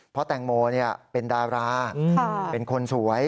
เพราะแตงโมเป็นดาราเป็นคนสวย